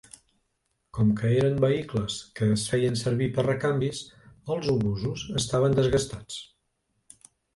Com que eren vehicles que es feien servir per recanvis, els obusos estaven desgastats.